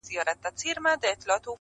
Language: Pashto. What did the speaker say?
• پیل لېوه ته په خندا سو ویل وروره,